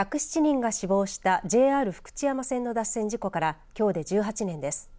１０７人が死亡したＪＲ福知山線の脱線事故からきょうで１８年です。